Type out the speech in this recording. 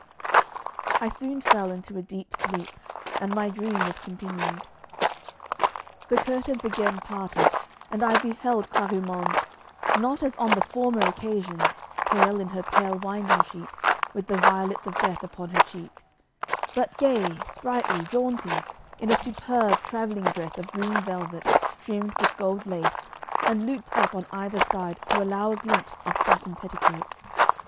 I soon fell into a deep sleep, and my dream was continued. The curtains again parted, and I beheld Clarimonde, not as on the former occasion, pale in her pale winding sheet, with the violets of death upon her cheeks, but gay, sprightly, jaunty, in a superb travelling dress of green velvet, trimmed with gold lace, and looped up on either side to allow a glimpse of satin petticoat.